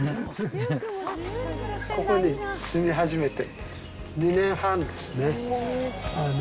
ここに住み始めて２年半ですね。